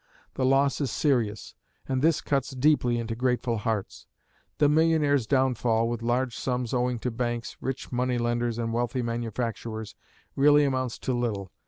The loss is serious, and this cuts deeply into grateful hearts. The millionaire's downfall, with large sums owing to banks, rich money lenders, and wealthy manufacturers, really amounts to little.